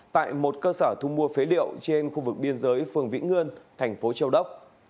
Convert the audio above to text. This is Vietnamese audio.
tại một cơ sở thu mua phế liệu trên khu vực biên giới phường vĩnh ngươn thành phố châu đốc